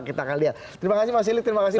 kita akan lihat terima kasih mas sili terima kasih